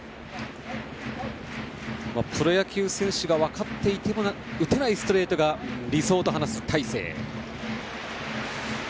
プロ野球選手が分かっていても打てないストレートが理想と話す大勢。